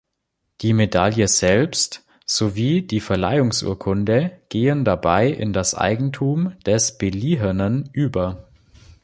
Die Medaille selbst sowie die Verleihungsurkunde gehen dabei in das Eigentum des Beliehenen über.